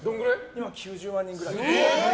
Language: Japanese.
今９０万人ぐらい。